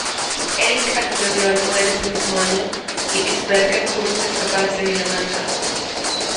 Erik accedió al poder ese mismo año y Sverker tuvo que escapar hacia Dinamarca.